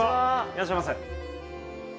いらっしゃませ。